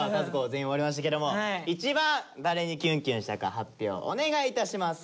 全員終わりましたけども一番誰にキュンキュンしたか発表お願いいたします。